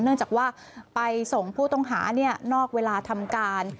เนื่องจากว่าไปส่งผู้ต้องหานอกเวลาทำการ